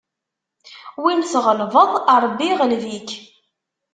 Win tɣelbeḍ, Ṛebbi iɣleb-ik.